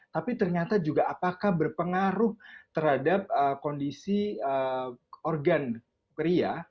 tapi ternyata juga apakah berpengaruh terhadap kondisi organ pria